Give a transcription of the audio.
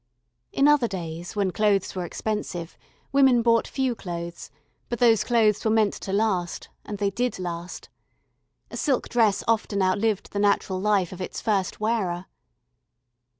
In other days when clothes were expensive, women bought few clothes, but those clothes were meant to last, and they did last. A silk dress often outlived the natural life of its first wearer.